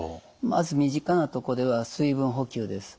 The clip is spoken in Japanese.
まず身近なとこでは水分補給です。